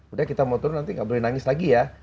udah kita mau turun nanti nggak boleh nangis lagi ya